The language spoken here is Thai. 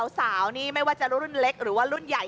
สาวนี่ไม่ว่าจะรุ่นเล็กหรือว่ารุ่นใหญ่